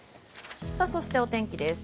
そしてお天気です。